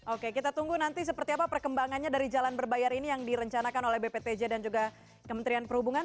oke kita tunggu nanti seperti apa perkembangannya dari jalan berbayar ini yang direncanakan oleh bptj dan juga kementerian perhubungan